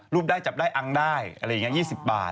ได้จับได้อังได้อะไรอย่างนี้๒๐บาท